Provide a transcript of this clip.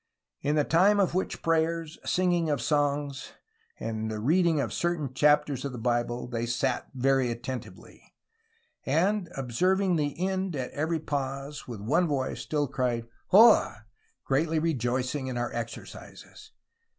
In the time of which prayers, sing ing of Psalmes, and reading of certaine Chapters in the Bible, they sate very attentiuely: and obseruing the end at euery pause, with one voice still cried, Oh, greatly reioycing in our exercises.